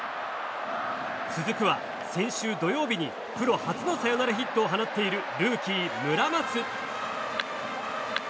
続くは先週土曜日にプロ初のサヨナラヒットを放っているルーキー、村松。